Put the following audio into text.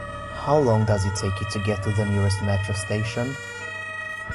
How long does it take you to get to the nearest metro station?